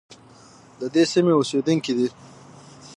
د دې سیمې اوسیدونکي دي.